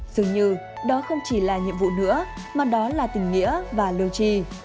dường như đó không chỉ là nhiệm vụ nữa mà đó là tình nghĩa và lưu tri